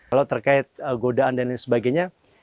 kalau terkait godaan dan lain sebagainya